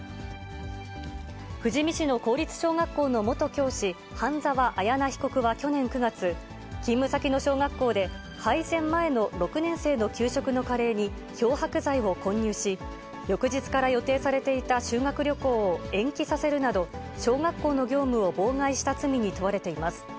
富士見市の公立小学校の元教師、半沢彩奈被告は去年９月、勤務先の小学校で、配膳前の６年生の給食のカレーに漂白剤を混入し、翌日から予定されていた修学旅行を延期させるなど、小学校の業務を妨害した罪に問われています。